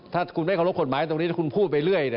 ถ้าคุณไม่เคารพกฎหมายตรงนี้ถ้าคุณพูดไปเรื่อย